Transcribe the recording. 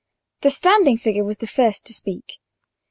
The standing figure was the first to speak.